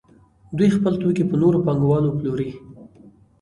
دوی خپل توکي په نورو پانګوالو پلوري